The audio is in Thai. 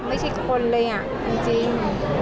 ไม่ใช่คนเลยอ่ะจริง